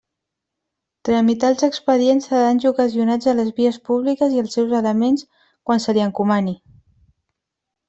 Tramitar els expedients de danys ocasionats a les vies públiques i els seus elements, quan se li encomani.